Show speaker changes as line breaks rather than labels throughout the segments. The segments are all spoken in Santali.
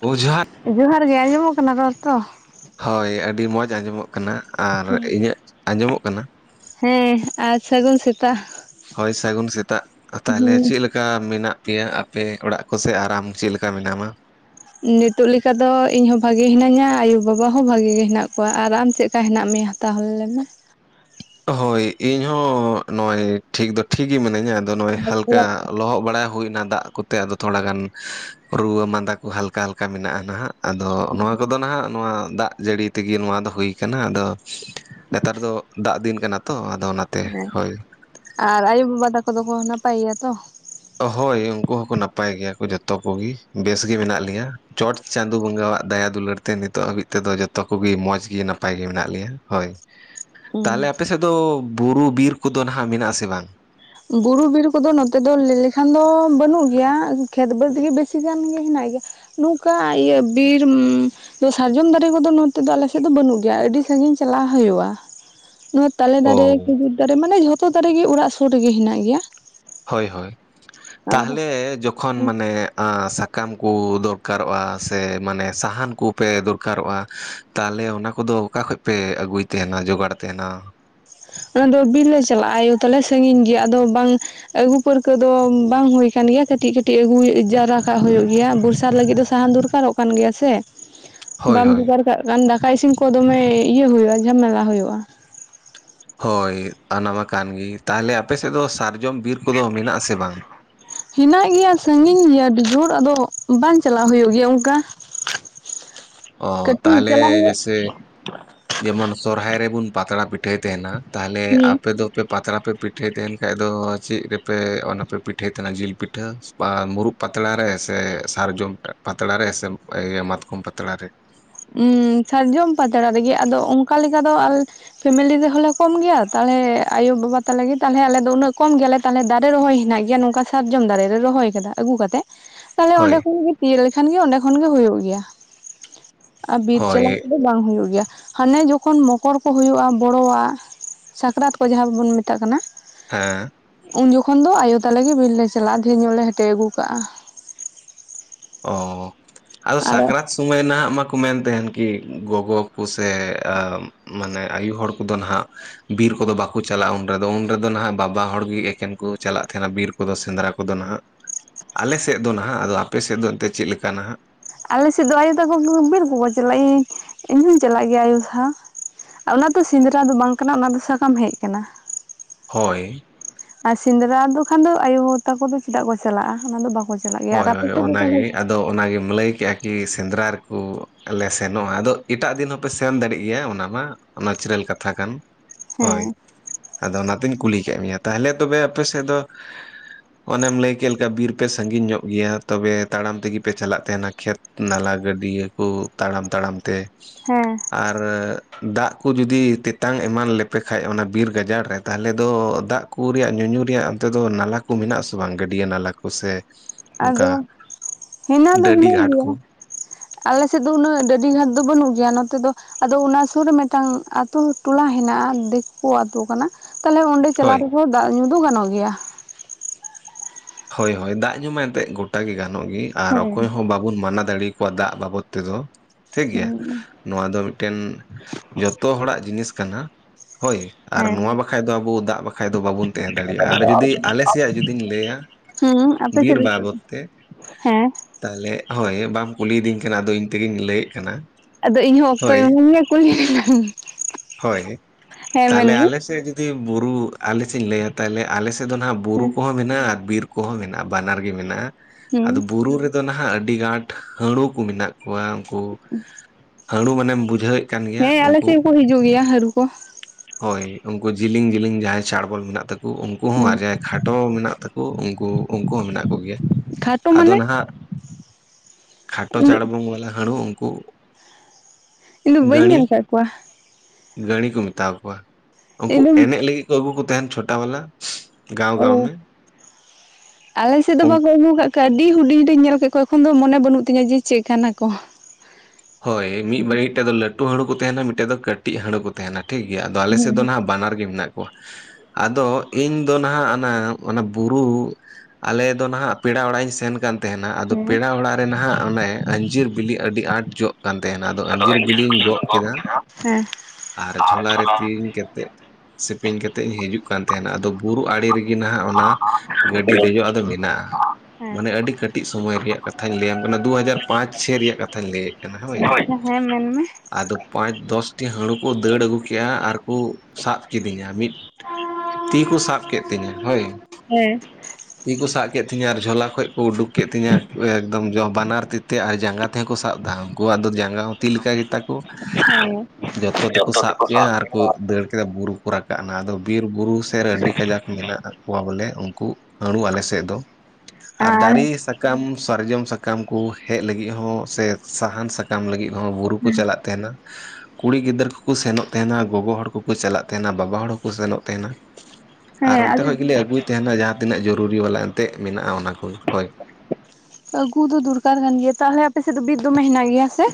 ᱚᱡᱷᱟ
ᱡᱚᱦᱟᱨ ᱜᱮ ᱟᱸᱡᱚ ᱢᱚᱜ ᱠᱟᱱᱟ ᱨᱚᱲ ᱛᱚ᱾
ᱦᱳᱭ ᱟᱹᱰᱤ ᱢᱚᱸᱡᱽ ᱟᱸᱡᱚ ᱢᱚᱜ ᱠᱟᱱᱟ ᱟᱨ ᱤᱧᱟᱹᱜ ᱟᱸᱡᱚ ᱢᱚᱜ ᱠᱟᱱᱟ᱾
ᱦᱮᱸ ᱟᱨ ᱥᱟᱹᱜᱩᱱ ᱥᱮᱛᱟᱜ᱾
ᱦᱳᱭ ᱥᱟᱹᱜᱩᱱ ᱥᱮᱛᱟᱜ ᱛᱟᱦᱞᱮ
ᱦᱩᱸ᱾
ᱪᱮᱫ ᱞᱮᱠᱟ? ᱪᱮᱫ ᱞᱮᱠᱟ ᱢᱮᱱᱟᱜ ᱯᱮᱭᱟ ᱟᱯᱮ ᱚᱲᱟᱜ ᱠᱚᱥᱮ ᱟᱨ ᱟᱢ ᱪᱮᱫ ᱞᱮᱠᱟ ᱢᱮᱱᱟ ᱢᱟ᱾
ᱱᱤᱛᱚᱜ ᱞᱮᱠᱟ ᱫᱚ ᱤᱧ ᱦᱚᱸ ᱵᱷᱟᱜᱮ ᱦᱤᱱᱟᱹᱧᱟ ᱟᱭᱳ ᱵᱟᱵᱟ ᱦᱚᱸ ᱵᱷᱟᱜᱮ ᱜᱮ ᱦᱮᱱᱟᱜ ᱠᱚᱣᱟ ᱟᱨ ᱟᱢ ᱪᱮᱫ? ᱠᱟ ᱦᱮᱱᱟᱜ ᱢᱮᱭᱟ ᱛᱟᱦᱚᱞᱮ ᱞᱟᱹᱭ ᱢᱮ?
ᱦᱳᱭ ᱤᱧ ᱦᱚᱸ ᱱᱚᱜᱼᱚᱭ ᱴᱷᱤᱠ ᱫᱚ ᱴᱷᱤᱠ ᱜᱮ ᱢᱤᱱᱟᱹᱧᱟ ᱟᱫᱚ ᱱᱚᱜᱼᱚᱭ ᱦᱟᱞᱠᱟ, ᱞᱚᱦᱚᱫ ᱵᱟᱲᱟ ᱦᱩᱭ ᱱᱟ ᱫᱟᱜ ᱠᱚᱛᱮ ᱟᱫᱚ ᱛᱷᱚᱲᱟ ᱜᱟᱱ ᱨᱩᱣᱟᱹ ᱢᱟᱸᱫᱟ ᱠᱚ ᱦᱟᱞᱠᱟ ᱦᱟᱞᱠᱟ ᱢᱮᱱᱟᱜᱼᱟ ᱱᱟᱦᱟᱜ᱾ ᱟᱫᱚ ᱱᱚᱣᱟ ᱠᱚᱫᱚ ᱱᱟᱦᱟᱜ ᱱᱚᱣᱟ ᱫᱟᱜ ᱡᱟᱹᱲᱤ ᱛᱮ ᱜᱮ ᱱᱚᱣᱟ ᱫᱚ ᱦᱩᱭ ᱠᱟᱱᱟ ᱟᱫᱚ, ᱱᱮᱛᱟᱨ ᱫᱚ ᱫᱟᱜ ᱫᱤᱱ ᱠᱟᱱᱟ ᱛᱚ ᱟᱫᱚ ᱚᱱᱟ,
ᱦᱮᱸ, ᱟᱨ ᱟᱭᱳ ᱵᱟᱵᱟ ᱛᱟᱠᱚ ᱫᱚ ᱠᱚ ᱱᱟᱯᱟᱭ ᱜᱮᱭᱟ ᱛᱚ᱾
ᱦᱳᱭ ᱩᱱᱠᱩ ᱦᱚᱸᱠᱚ ᱱᱟᱯᱟᱭ ᱜᱮᱭᱟ ᱠᱚ ᱡᱚᱛᱚ ᱠᱚᱜᱮ ᱵᱮᱥ ᱜᱮ ᱢᱮᱱᱟᱜ ᱞᱮᱭᱟ ᱪᱚᱴ, ᱪᱟᱸᱫᱳ ᱵᱚᱸᱜᱟ ᱣᱟᱜ ᱫᱟᱭᱟ ᱫᱩᱞᱟᱹᱲ ᱛᱮ ᱱᱤᱛᱚᱜ ᱦᱟᱹᱵᱤᱡ ᱛᱮ ᱫᱚ ᱡᱚᱛᱚ ᱠᱚ ᱜᱮ ᱢᱚᱸᱡᱽ ᱜᱮ ᱱᱟᱯᱟᱭ ᱜᱮ ᱢᱮᱱᱟᱜ ᱞᱮᱭᱟ ᱦᱳᱭ᱾
[inaudible]
ᱛᱟᱦᱞᱮ ᱟᱯᱮ ᱥᱮᱫ ᱫᱚ ᱵᱩᱨᱩ ᱵᱤᱨ ᱠᱚᱫᱚ ᱱᱟᱦᱟᱜ ᱢᱮᱱᱟᱜ ᱟᱥᱮ ᱵᱟᱝ?
ᱵᱩᱨᱩ ᱵᱤᱨ ᱠᱚᱫᱚ ᱱᱚᱛᱮ ᱫᱚ ᱞᱟᱹᱭ ᱞᱮᱠᱷᱟᱱ ᱫᱚ ᱵᱟᱹᱱᱩᱜ ᱜᱮᱭᱟ ᱠᱷᱮᱛ ᱵᱟᱹᱫᱽ ᱜᱮ ᱵᱮᱥᱤ ᱜᱟᱱ ᱜᱮ ᱦᱮᱱᱟᱜ ᱜᱮᱭᱟ᱾ ᱱᱚᱝᱠᱟ ᱤᱭᱟᱹ ᱵᱤᱨ, ᱥᱟᱨᱡᱚᱢ ᱫᱟᱨᱮ ᱠᱚᱫᱚ ᱱᱚᱛᱮ ᱫᱚ ᱟᱞᱮ ᱥᱮᱫ ᱫᱚ ᱵᱟᱹᱱᱩᱜ ᱜᱮᱭᱟ ᱟᱹᱰᱤ ᱥᱟᱸᱜᱤᱧ ᱪᱟᱞᱟᱣ ᱦᱳᱭᱳᱜᱼᱟ᱾ ᱛᱟᱞᱮ ᱫᱟᱨᱮ
ᱚ
ᱠᱷᱤᱡᱩᱨ ᱫᱟᱨᱮ ᱢᱟᱱᱮ ᱡᱷᱚᱛᱚ ᱫᱟᱨᱮ ᱜᱮ ᱚᱲᱟᱜ ᱥᱩᱨ ᱨᱮᱜᱮ ᱦᱮᱱᱟᱜ ᱜᱮᱭᱟ᱾
ᱦᱳᱭ ᱦᱳᱭ,
ᱟᱨ
ᱛᱟᱦᱟᱞᱮ ᱡᱚᱠᱷᱚᱱ ᱢᱟᱱᱮ, ᱥᱟᱠᱟᱢ ᱠᱚ ᱫᱚᱨᱠᱟᱨᱚᱜᱼᱟ ᱥᱮ ᱢᱟᱱᱮ ᱥᱟᱦᱟᱱ ᱠᱚᱯᱮ ᱫᱚᱨᱠᱟᱨᱚᱜᱼᱟ᱾ ᱛᱟᱦᱚᱞᱮ ᱚᱱᱟ ᱠᱚᱫᱚ ᱚᱠᱟ ᱠᱷᱚᱡ ᱯᱮ ᱟᱹᱜᱩᱭ ᱛᱟᱦᱮᱱᱟ ᱡᱚᱜᱟᱲ ᱛᱟᱦᱮᱱᱟ᱾
ᱚᱱᱟ ᱫᱚ ᱵᱤᱨ ᱞᱮ ᱪᱟᱞᱟᱜᱼᱟ ᱟᱭᱩ ᱛᱟᱞᱮ ᱥᱟᱹᱜᱤᱧ ᱜᱮᱭᱟ ᱟᱫᱚ ᱵᱟᱝ, ᱟᱹᱜᱩ ᱯᱟᱹᱨᱠᱟᱹ ᱫᱚ ᱵᱟᱝ ᱦᱩᱭ ᱠᱟᱱ ᱜᱮᱭᱟ ᱠᱟᱹᱴᱤᱡ ᱠᱟᱹᱴᱤᱡ ᱟᱹᱜᱩᱭ ᱡᱟᱣᱨᱟ ᱠᱟᱜ ᱦᱩᱭᱩᱜ ᱜᱮᱭᱟ ᱵᱚᱨᱥᱟ ᱞᱟᱹᱜᱤᱫ ᱫᱚ ᱥᱟᱦᱟᱱ ᱫᱚᱨᱠᱟᱨ, ᱫᱚᱨᱠᱟᱨᱟᱜ ᱠᱟᱱ ᱜᱮᱭᱟ ᱥᱮ?
ᱦᱳᱭ
ᱵᱟᱢ
ᱦᱳᱭ
ᱡᱚᱜᱟᱲ ᱠᱟᱜ ᱠᱷᱟᱱ ᱫᱟᱠᱟ ᱤᱥᱤᱱ ᱠᱚ ᱫᱚᱢᱮ ᱤᱭᱟᱹ ᱦᱩᱭᱩᱜᱼᱟ ᱡᱷᱟᱢᱮᱞᱟ ᱦᱩᱭᱩᱜᱼᱟ᱾
ᱦᱳᱭ ᱚᱱᱟ ᱢᱟ ᱠᱟᱱ ᱜᱮ ᱛᱟᱦᱚᱞᱮ ᱟᱯᱮ ᱥᱮᱫ ᱫᱚ ᱥᱟᱨᱡᱚᱢ ᱵᱤᱨ ᱠᱚᱫᱚ ᱢᱮᱱᱟᱜᱼᱟ ᱥᱮ ᱵᱟᱝ?
ᱦᱮᱱᱟᱜ ᱜᱮᱭᱟ ᱥᱟᱺᱜᱤᱧ ᱜᱮᱭᱟ ᱟᱹᱰᱤ ᱡᱳᱨ ᱟᱫᱚ ᱵᱟᱝ ᱪᱟᱞᱟᱜ ᱦᱩᱭᱩᱜ ᱜᱮᱭᱟ ᱚᱱᱠᱟ᱾ [unintelligible]
ᱚ
ᱠᱟᱹᱴᱤᱡ
ᱛᱟᱦᱚᱞᱮ
ᱪᱟᱞᱟᱜ ᱦᱩᱭᱩᱜ
ᱡᱮᱥᱮ ᱡᱮᱢᱚᱱ ᱥᱚᱨᱦᱟᱭ ᱨᱮᱵᱚᱱ ᱯᱟᱛᱲᱟ ᱯᱤᱴᱷᱟᱹᱭ ᱛᱟᱦᱮᱱᱟ᱾ ᱛᱟᱦᱚᱞᱮ
ᱦᱮᱸ
ᱟᱯᱮ ᱫᱚ? ᱟᱯᱮ ᱯᱟᱛᱲᱟ ᱯᱮ ᱯᱤᱴᱷᱟᱹᱭ ᱛᱟᱦᱮᱱ ᱠᱷᱟᱡ ᱫᱚ ᱪᱮᱫ ᱨᱮᱯᱮ ᱚᱱᱟ ᱯᱮ ᱯᱤᱴᱷᱟᱹᱭ ᱛᱟᱦᱮᱱᱟ ᱡᱤᱞ ᱯᱤᱴᱷᱟᱹ? ᱢᱩᱨᱩᱜ ᱯᱟᱛᱲᱟ ᱨᱮ ᱥᱮ ᱥᱟᱨᱡᱚᱢ ᱯᱟᱛᱲᱟ ᱨᱮ ᱥᱮ ᱤᱭᱟᱹ ᱢᱟᱛᱠᱚᱢ ᱯᱟᱛᱲᱟ ᱨᱮ?
ᱩ ᱥᱟᱨᱡᱚᱢ ᱯᱟᱛᱲᱟ ᱨᱮᱜᱮ ᱟᱫᱚ ᱚᱱᱠᱟ ᱞᱮᱠᱟ ᱫᱚ ᱟᱞ, ᱯᱷᱮᱢᱮᱞᱤ ᱨᱮᱦᱚ ᱞᱮ ᱠᱚᱢ ᱜᱮᱭᱟ ᱛᱟᱞᱦᱮ ᱟᱭᱩ ᱵᱟᱵᱟ ᱛᱟᱞᱮ ᱜᱮ ᱛᱟᱞᱦᱮ ᱟᱞᱮ ᱫᱚ ᱩᱱᱟᱹᱜ ᱠᱚᱢ ᱜᱮᱭᱟᱞᱮ᱾ ᱛᱟᱦᱚᱞᱮ ᱫᱟᱨᱮ ᱨᱚᱦᱚᱭ ᱦᱮᱱᱟᱜ ᱜᱮᱭᱟ ᱱᱚᱝᱠᱟ ᱥᱟᱨᱡᱚᱢ ᱫᱟᱨᱮ ᱨᱮ ᱨᱚᱦᱚᱭ ᱠᱟᱫᱟ ᱟᱹᱜᱩ ᱠᱟᱛᱮᱫ᱾ ᱛᱟᱦᱚᱞᱮ
ᱦᱳᱭ
ᱚᱸᱰᱮ ᱠᱷᱚᱱ ᱜᱮ ᱛᱤᱭᱳᱜ ᱞᱮᱠᱷᱟᱱ ᱜᱮ ᱚᱸᱰᱮ ᱠᱷᱚᱱ ᱜᱮ ᱦᱩᱭᱩᱜ ᱜᱮᱭᱟ᱾ ᱟᱨ ᱵᱤᱨ
ᱦᱳᱭ
ᱪᱟᱞᱟ ᱠᱚᱫᱚ ᱵᱟᱝ ᱦᱩᱭᱩᱜ ᱜᱮᱭᱟ ᱦᱟᱱᱮ ᱡᱚᱠᱷᱚᱱ ᱢᱚᱠᱚᱨ ᱠᱚ ᱦᱩᱭᱩᱜᱼᱟ ᱵᱚᱲᱚᱣᱟᱜ᱾ ᱥᱟᱠᱨᱟᱛ ᱠᱚ ᱡᱟᱦᱟᱸ ᱵᱚᱱ ᱢᱮᱛᱟᱜ ᱠᱟᱱᱟ᱾
ᱦᱮᱸ,
ᱩᱱ ᱡᱚᱠᱷᱚᱱ ᱫᱚ ᱟᱭᱳ ᱛᱟᱞᱮ ᱜᱮ ᱵᱤᱨ ᱞᱮ ᱪᱟᱞᱟᱜᱼᱟ ᱰᱷᱮᱨ ᱧᱚᱜ ᱞᱮ ᱦᱮᱴᱮᱡ ᱟᱹᱜᱩ ᱠᱟᱜᱼᱟ᱾
ᱚ ᱟᱫᱚ
ᱟᱨ
ᱥᱟᱠᱨᱟᱛ, ᱥᱚᱢᱚᱭ ᱱᱟᱦᱟᱜ ᱢᱟᱠᱚ ᱢᱮᱱ ᱛᱟᱦᱮᱱ ᱠᱤ ᱜᱚᱜᱚ ᱠᱚ ᱥᱮ? ᱢᱟᱱᱮ ᱟᱭᱩ ᱦᱚᱲ ᱠᱚᱫᱚ ᱱᱟᱦᱟᱜ, ᱵᱤᱨ ᱠᱚᱫᱚ ᱵᱟᱠᱚ ᱪᱟᱞᱟᱜᱼᱟ ᱩᱱ ᱨᱮᱫᱚ ᱩᱱ ᱨᱮᱫᱚ ᱱᱟᱦᱟᱜ ᱵᱟᱵᱟ ᱦᱚᱲᱜᱮ ᱮᱠᱮᱱ ᱠᱚ ᱪᱟᱞᱟᱜ ᱛᱟᱦᱮᱱᱟ ᱵᱤᱨ ᱠᱚᱫᱚ ᱥᱮᱸᱫᱽᱨᱟ ᱠᱚᱫᱚ ᱱᱟᱦᱟᱜ ᱟᱞᱮ ᱥᱮᱫ ᱫᱚ ᱱᱟᱦᱟᱜ ᱟᱫᱚ ᱟᱯᱮ ᱥᱮᱫ ᱫᱚ ᱮᱱᱛᱮᱫ ᱪᱮᱫ ᱞᱮᱠᱟ ᱱᱟᱦᱟᱜ,
ᱟᱞᱮ ᱥᱮᱫ ᱫᱚ ᱟᱭᱳ ᱛᱟᱠᱚ ᱜᱮ ᱵᱤᱨ ᱠᱚᱠᱚ ᱪᱟᱞᱟᱜ ᱜᱮᱭᱟ ᱤᱧ ᱦᱚᱧ ᱪᱟᱞᱟᱜ ᱜᱮᱭᱟ ᱟᱭᱳᱥᱟᱣ᱾ ᱚᱱᱟ ᱫᱚ ᱥᱮᱸᱫᱽᱨᱟ ᱫᱚ ᱵᱟᱝ ᱠᱟᱱᱟ ᱚᱱᱟ ᱫᱚ ᱥᱟᱠᱟᱢ ᱦᱮᱡ ᱟᱠᱟᱱᱟ᱾
ᱦᱳᱭ,
ᱟᱨ ᱥᱮᱸᱫᱽᱨᱟ ᱫᱚ ᱠᱷᱟᱱ ᱫᱚ ᱟᱭᱳ ᱛᱟᱠᱚᱫᱚ ᱪᱮᱫᱟᱜ ᱠᱚ ᱪᱟᱞᱟᱜᱼᱟ ᱚᱱᱟ ᱫᱚ ᱵᱟᱠᱚ ᱪᱟᱞᱟᱜ ᱜᱮᱭᱟ ᱟᱨ
ᱦᱳᱭ
ᱟᱯᱮ
ᱦᱳᱭ
ᱥᱮᱫ ᱫᱚ ᱛᱟᱦᱚᱞᱮ,
ᱚᱱᱟᱜᱮ ᱟᱫᱚ ᱚᱱᱟᱜᱮᱢ ᱞᱟᱹᱭ ᱠᱮᱫᱟ ᱠᱤ ᱥᱮᱸᱫᱽᱨᱟ ᱨᱮᱠᱚ ᱞᱮ ᱥᱮᱱᱚᱜᱼᱟ ᱟᱫᱚ ᱮᱴᱟᱜ ᱫᱤᱱ ᱦᱚᱸᱯᱮ ᱥᱮᱱ ᱫᱟᱲᱮᱭᱟᱜ ᱜᱮᱭᱟ ᱚᱱᱟ ᱢᱟ᱾ ᱱᱮᱪᱟᱨᱮᱞ ᱠᱟᱛᱷᱟ ᱠᱟᱱ ᱦᱳᱭ᱾
ᱦᱮᱸ
ᱟᱫᱚ ᱚᱱᱟᱛᱤᱧ ᱠᱩᱞᱤ ᱠᱮᱫ ᱢᱮᱭᱟ ᱛᱟᱦᱚᱞᱮ ᱛᱚᱵᱮ ᱟᱯᱮ ᱥᱮᱫ ᱫᱚ ᱚᱱᱮᱢ ᱞᱟᱹᱭ ᱠᱮᱫ ᱞᱮᱠᱟ ᱵᱤᱨ ᱯᱮ ᱥᱮᱫ, ᱥᱟᱺᱜᱤᱧ ᱧᱚᱜ ᱜᱮᱭᱟ ᱛᱚᱵᱮ ᱛᱟᱲᱟᱢ ᱛᱮᱜᱮ ᱯᱮ ᱪᱟᱞᱟᱜ ᱛᱟᱦᱮᱱᱟ ᱠᱷᱮᱛ ᱱᱟᱞᱟ ᱜᱟᱹᱰᱤᱭᱟᱹ ᱠᱚ, ᱛᱟᱲᱟᱢ ᱛᱟᱲᱟᱢ ᱛᱮ᱾
ᱦᱮᱸ,
ᱟᱨ ᱫᱟᱜᱽ ᱠᱚ ᱡᱩᱫᱤ ᱛᱮᱛᱟᱝ ᱮᱢᱟᱱ ᱞᱮᱯᱮ ᱠᱷᱟᱭ ᱚᱱᱟ ᱵᱤᱨ ᱜᱟᱡᱟᱲ ᱨᱮ ᱛᱟᱦᱚᱞᱮ ᱫᱚ ᱫᱟᱜᱽ, ᱠᱩ ᱨᱮᱭᱟᱜ ᱧᱩᱧᱩ ᱨᱮᱭᱟᱜ ᱚᱱᱛᱮ ᱫᱚ ᱱᱟᱞᱟ ᱠᱚ ᱢᱮᱱᱟᱜᱼᱟ ᱥᱮ ᱵᱟᱝ ᱜᱟᱹᱰᱭᱟᱹ ᱱᱟᱞᱟ ᱠᱚ ᱥᱮ
ᱟᱫᱚ
ᱚᱱᱠᱟ
ᱦᱮᱱᱟᱜ ᱫᱚ
ᱰᱟᱹᱰᱤ
ᱦᱮᱱᱟᱜ
ᱜᱷᱟᱴ
ᱜᱮᱭᱟ᱾
ᱠᱚ
ᱟᱞᱮ ᱥᱮᱫ ᱫᱚ ᱩᱱᱟᱹᱜ ᱰᱟᱹᱰᱤ ᱜᱷᱟᱴ ᱫᱚ ᱵᱟᱹᱱᱩᱜ ᱜᱮᱭᱟ ᱱᱚᱛᱮ ᱫᱚ, ᱟᱫᱚ ᱚᱱᱟ ᱥᱩᱨ ᱨᱮ ᱢᱤᱫᱴᱟᱝ ᱟᱛᱳ ᱴᱚᱞᱟ ᱦᱮᱱᱟᱜᱼᱟ ᱫᱤᱠᱩ ᱟᱛᱳ ᱠᱟᱱᱟ ᱛᱟᱦᱞᱮ ᱚᱸᱰᱮ ᱪᱟᱞᱟᱣ
ᱦᱳᱭ
ᱨᱮᱦᱚᱸ ᱫᱟᱜᱽ ᱧᱩ ᱫᱚ ᱜᱟᱱᱚᱜ ᱜᱮᱭᱟ᱾
ᱦᱳᱭ ᱦᱳᱭ ᱫᱟᱜᱽ ᱧᱩ ᱢᱟ ᱮᱱᱛᱮᱫ ᱜᱚᱴᱟ ᱜᱮ ᱜᱟᱱᱚᱜ ᱜᱮ ᱟᱨ
ᱦᱮᱸ
ᱚᱠᱚᱭ ᱦᱚᱸ ᱵᱟᱵᱚᱱ ᱢᱟᱱᱟ ᱫᱟᱲᱮᱭᱟᱠᱚ, ᱣᱟᱜ ᱫᱟᱜᱽ ᱵᱟᱵᱚᱫ ᱛᱮᱫᱚ ᱴᱷᱤᱠ ᱜᱮᱭᱟ᱾
ᱦᱩᱸ
ᱱᱚᱣᱟ ᱫᱚ ᱢᱤᱫᱴᱮᱱ ᱡᱚᱛᱚ ᱦᱚᱲᱟᱜ ᱡᱤᱱᱤᱥ ᱠᱟᱱᱟ ᱦᱳᱭ, ᱟᱨ ᱱᱚᱣᱟ
ᱦᱮᱸ
ᱵᱟᱠᱷᱟᱡ ᱫᱚ ᱟᱵᱚ ᱫᱟᱜᱽ ᱵᱟᱠᱷᱟᱡ ᱫᱚ ᱵᱟᱵᱚᱱ ᱛᱟᱦᱮᱸ ᱫᱟᱲᱮᱭᱟᱜᱼᱟ ᱟᱨ ᱡᱩᱫᱤ ᱟᱞᱮ ᱥᱮᱭᱟᱜ ᱡᱩᱫᱤᱧ ᱞᱟᱹᱭᱟ,
ᱦᱩᱸ ᱟᱯᱮ
ᱵᱤᱨ
ᱥᱮᱫ ᱫᱚ ᱪᱮᱫ
ᱵᱟᱵᱚᱫ ᱛᱮ
ᱞᱮᱠᱟ ᱦᱮᱸ,
ᱛᱟᱦᱚᱞᱮ ᱦᱳᱭ ᱵᱟᱢ ᱠᱩᱞᱤᱭᱤᱫᱤᱧ ᱠᱟᱱᱟ ᱟᱫᱚ ᱤᱧ ᱛᱮᱜᱤᱧ ᱞᱟᱹᱭᱮᱫ ᱠᱟᱱᱟ᱾
ᱟᱫᱚ ᱤᱧᱦᱚᱸ ᱚᱠᱛᱚᱭ
ᱦᱳᱭ
ᱤᱢᱟᱹᱧ ᱢᱮ ᱠᱩᱞᱤᱱᱟ,
ᱦᱳᱭ ᱛᱟᱦᱞᱮ ᱟᱞᱮ ᱥᱮᱫ ᱡᱩᱫᱤ ᱵᱩᱨᱩ ᱟᱞᱮ ᱥᱮᱫ ᱤᱧ ᱞᱟᱹᱭᱟ ᱛᱟᱦᱞᱮ ᱟᱞᱮ ᱥᱮᱫ ᱫᱚ ᱱᱟᱦᱟᱜ, ᱵᱩᱨᱩ
ᱦᱮᱸ
ᱠᱚᱦᱚᱸ ᱢᱮᱱᱟᱜᱼᱟ ᱵᱤᱨ ᱠᱚ ᱦᱚᱸ ᱢᱮᱱᱟᱜᱼᱟ ᱵᱟᱱᱟᱨ ᱜᱮ ᱢᱮᱱᱟᱜᱼᱟ
ᱦᱩᱸ
ᱟᱫᱚ ᱵᱩᱨᱩ ᱨᱮ, ᱫᱚ ᱱᱟᱦᱟᱜ ᱟᱹᱰᱤ ᱜᱟᱴ ᱦᱟᱹᱲᱩ ᱠᱚ ᱢᱮᱱᱟᱜ ᱠᱚᱣᱟ ᱩᱱᱠᱩ ᱦᱟᱹᱲᱩ ᱢᱟᱱᱮᱢ ᱵᱩᱡᱷᱟᱹᱣ
ᱦᱮᱸ ᱟᱞᱮ ᱥᱮᱫ ᱦᱚ ᱠᱚ ᱦᱤᱡᱩᱜ ᱜᱮᱭᱟ ᱦᱟᱹᱲᱩ ᱠᱚ᱾
ᱦᱳᱭ ᱩᱱᱠᱩ ᱡᱤᱞᱤᱝ ᱡᱮᱞᱤᱝ ᱡᱟᱦᱟᱸᱭ ᱪᱟᱲᱵᱚᱞ ᱢᱮᱱᱟᱜ ᱛᱟᱠᱚ ᱩᱱᱠᱩ ᱦᱚᱸ
ᱦᱩᱸ
ᱟᱨᱟᱭ ᱠᱷᱟᱴ ᱴᱚ ᱢᱮᱱᱟᱜ ᱛᱟᱠᱚ ᱩᱱᱠᱩ ᱩᱱᱠᱩ ᱦᱚᱸ ᱢᱮᱱᱟᱜ ᱠᱚᱜᱮ ᱭᱟ
ᱠᱷᱟᱴᱚ
ᱟᱫᱚ
ᱢᱟᱱᱮ
ᱱᱟᱦᱟᱜ, ᱠᱷᱟᱴᱚ ᱪᱟᱲ ᱵᱚᱝ ᱣᱟᱞᱟ ᱦᱟᱹᱲᱩ ᱩᱱᱠᱩ
ᱤᱧ ᱫᱚ ᱵᱟᱹᱧ
ᱜᱟᱹᱲᱤ
ᱧᱮᱞ ᱠᱟᱜ ᱠᱚᱣᱟ᱾
ᱜᱟᱹᱲᱤ ᱠᱚ ᱢᱮᱛᱟᱮ ᱠᱚᱣᱟ ᱩᱱᱠᱩ
ᱮᱠᱫᱚᱢ
ᱮᱱᱮᱡ ᱞᱟᱹᱜᱤᱫ ᱠᱚ ᱟᱹᱜᱩ ᱠᱚ ᱛᱟᱦᱮᱱ ᱪᱷᱳᱴᱟ ᱣᱟᱞᱟ, ᱜᱟᱶ ᱜᱟᱶ ᱢᱮ
[inaudible] ᱟᱞᱮ ᱥᱮᱫ ᱫᱚ ᱵᱟᱠᱚ ᱟᱹᱜᱩ ᱟᱠᱟᱫ ᱠᱚᱣᱟ ᱟᱹᱰᱤ ᱦᱩᱰᱤᱧ ᱨᱤᱧ ᱧᱮᱞ ᱟᱠᱟᱫ ᱠᱚᱣᱟ ᱮᱠᱷᱚᱱ ᱫᱚ ᱢᱚᱱᱮ ᱵᱟᱹᱱᱩᱜ ᱛᱤᱧᱟᱹ ᱡᱮ ᱪᱮᱫ ᱠᱟᱱᱟ ᱠᱚ,
ᱦᱳᱭ ᱢᱤᱫ ᱵᱟᱨ ᱢᱤᱫ ᱴᱮᱡ ᱫᱚ ᱞᱟᱹᱴᱩ ᱦᱟᱹᱲᱩ ᱠᱚ ᱛᱟᱦᱮᱱᱟ ᱢᱤᱫ ᱴᱮᱡ ᱫᱚ ᱠᱟᱹᱴᱤᱡ ᱦᱟᱹᱲᱩ ᱠᱚ ᱛᱟᱦᱮᱱᱟ ᱴᱷᱤᱠ ᱜᱮᱭᱟ ᱟᱫᱚ ᱟᱞᱮ ᱥᱮᱫ ᱫᱚ
ᱦᱮᱸ
ᱱᱟᱦᱟᱜ, ᱵᱟᱱᱟᱨ ᱜᱮ ᱢᱮᱱᱟᱜ ᱠᱚᱣᱟ, ᱟᱫᱚ ᱤᱧ ᱫᱚ ᱱᱟᱦᱟᱜ ᱚᱱᱟ ᱚᱱᱟ ᱵᱩᱨᱩ ᱟᱞᱮ ᱫᱚ ᱱᱟᱦᱟᱜ ᱯᱮᱲᱟ ᱚᱲᱟᱜ ᱤᱧ ᱥᱮᱱ ᱠᱟᱱ ᱛᱟᱦᱮᱸ ᱱᱟ ᱟᱫᱚ
ᱦᱮᱸ
ᱯᱮᱲᱟ ᱚᱲᱟᱜ ᱨᱮ ᱱᱟᱦᱟᱜ ᱚᱱᱮ ᱟᱧᱡᱤᱨ ᱵᱤᱞᱤ ᱟᱹᱰᱤ ᱟᱸᱴ ᱡᱚᱜ ᱠᱟᱱ ᱛᱟᱦᱮᱸᱱᱟ ᱟᱫᱚ ᱟᱧᱡᱤᱨ ᱵᱤᱞᱤᱧ ᱜᱚᱜ ᱠᱮᱫᱟ ᱟᱨ ᱡᱷᱚᱞᱟ ᱨᱮ ᱛᱮᱣᱤᱧ ᱠᱟᱛᱮᱫ, ᱥᱮᱯᱤᱧ ᱠᱟᱛᱮᱜ ᱤᱧ ᱦᱤᱡᱩᱜ ᱠᱟᱱ ᱛᱟᱦᱮᱸᱱᱟ ᱟᱫᱚ ᱵᱩᱨᱩ ᱟᱲᱮ ᱨᱮ ᱜᱮ, ᱜᱮ ᱱᱟᱦᱟᱜ ᱚᱱᱟ ᱜᱟᱹᱰᱤ ᱫᱮᱡᱚᱜ ᱼᱟ ᱫᱚ ᱢᱮᱱᱟᱜᱼᱟ᱾
ᱦᱮᱸ
ᱢᱟᱱᱮ ᱟᱹᱰᱤ ᱠᱟᱹᱴᱤᱡ ᱥᱚᱢᱳᱭ ᱨᱮᱭᱟᱜ ᱠᱟᱛᱷᱟᱧ ᱞᱟᱹᱭ ᱟᱢ ᱠᱟᱱᱟ ᱫᱩ ᱦᱟᱡᱟᱨ ᱯᱟᱸᱪ ᱪᱷᱮ ᱨᱮᱭᱟᱜ ᱠᱟᱛᱷᱟᱧ ᱞᱟᱹᱭᱮᱫ,
ᱦᱳᱭ, ᱟᱪᱪᱷᱟ ᱦᱮᱸ ᱢᱮᱱ ᱢᱮ᱾
ᱟᱫᱚ ᱯᱟᱸᱪ ᱫᱚᱥ ᱴᱤ ᱦᱟᱹᱲᱩ ᱠᱚ ᱫᱟᱹᱲ ᱟᱹᱜᱩ ᱠᱮᱜᱼᱟ, ᱟᱨ ᱠᱚ ᱥᱟᱵ ᱠᱤᱫᱤ ᱧᱟ ᱢᱤᱫ ᱛᱤ ᱠᱚ ᱥᱟᱵ ᱠᱮᱫ ᱛᱤᱧᱟᱹ ᱦᱳᱭ,
ᱦᱮᱸ᱾
ᱛᱤ ᱠᱚ ᱥᱟᱵ ᱠᱮᱫ ᱛᱤᱧᱟᱹ ᱟᱨ ᱡᱷᱚᱞᱟ ᱠᱷᱚᱱᱚᱡ ᱠᱚ ᱩᱰᱩᱠ ᱠᱮᱫ ᱛᱤᱧᱟᱹ ᱮᱠᱫᱚᱢ ᱡᱚ ᱵᱟᱱᱟᱨ ᱛᱤ ᱛᱮ ᱟᱨ ᱡᱟᱸᱜᱟ ᱛᱮᱦᱚᱸ ᱠᱚ ᱥᱟᱵ ᱫᱟ᱾ ᱠᱚᱣᱟ ᱫᱚ ᱡᱟᱸ ᱜᱟ ᱦᱚᱸ ᱛᱤ ᱞᱮᱠᱟ ᱜᱮ ᱛᱟ ᱠᱚ,
ᱦᱮᱸ
ᱡᱚᱛᱚ ᱛᱮᱠᱚ ᱥᱟᱵ ᱠᱮᱜᱼᱟ ᱟᱨ ᱠᱚ ᱫᱟᱹᱲ ᱠᱮᱫᱟ ᱵᱩᱨᱩ ᱨᱟᱠᱟᱵ ᱮᱱᱟ ᱟᱫᱚ ᱵᱤᱨ ᱵᱩᱨᱩ ᱥᱮᱫ ᱨᱮ ᱟᱹᱰᱤ ᱠᱟᱡᱟᱠ ᱢᱮᱱᱟᱜ ᱠᱚᱣᱟ ᱵᱚᱞᱮ ᱩᱱᱠᱩ ᱦᱟᱺᱲᱩ ᱟᱞᱮ ᱥᱮᱫ ᱫᱚ, ᱟᱨ ᱫᱟᱨᱮ ᱥᱟᱠᱟᱢ ᱥᱟᱨᱡᱚᱢ ᱥᱟᱠᱟᱢ ᱠᱩ ᱦᱮᱡ ᱞᱟᱹᱜᱤᱫ ᱦᱚᱸ ᱥᱮ ᱥᱟᱦᱟᱱ ᱥᱟ ᱠᱟᱢ ᱞᱟᱹᱜᱤᱫ ᱦᱚᱸ ᱵᱩᱨᱩ ᱠᱚ
ᱦᱮᱸ
ᱪᱟᱞᱟᱜ ᱛᱟᱦᱮᱱᱟ, ᱠᱩᱲᱤ ᱜᱤᱫᱟᱹᱨ ᱠᱩ ᱠᱩ ᱥᱮᱱᱚᱜ ᱛᱟᱸᱦᱮᱱᱟ ᱜᱚ ᱜᱚ ᱦᱚᱲ ᱠᱩ ᱠᱩ ᱪᱟᱞᱟᱜ ᱛᱟᱸᱦᱮᱱᱟ ᱵᱟᱵᱟ ᱦᱚᱲ ᱦᱚᱸᱠᱚ ᱥᱮᱱᱚᱜ ᱛᱟᱸᱦᱮᱱᱟ᱾
[unintelligible]
ᱟᱨ ᱚᱱᱛᱮ
ᱟᱫᱚ
ᱠᱷᱚᱱᱚᱡ ᱜᱮᱞᱮ ᱟᱹᱜᱩᱭ ᱛᱟᱸᱦᱮᱱᱟ ᱡᱟᱦᱟᱸ ᱛᱤᱱᱟᱹᱜ ᱡᱩᱨᱤ ᱵᱟᱞᱟ ᱮᱱᱛᱮᱜ ᱢᱮᱱᱟᱜᱼᱟ ᱚᱱᱟ ᱠᱚ ᱦᱳᱭ᱾
ᱟᱹᱜᱩ ᱫᱚ ᱫᱚᱨ ᱠᱟᱨ ᱠᱟᱱ ᱜᱮᱭᱟ ᱛᱟᱦᱞᱮ ᱟᱯᱮ ᱥᱮᱫ ᱫᱚ ᱵᱤᱨ ᱫᱚᱢᱮ ᱦᱮᱸᱱᱟᱜ ᱜᱮᱭᱟ ᱥᱮ?